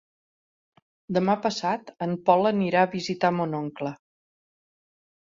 Demà passat en Pol anirà a visitar mon oncle.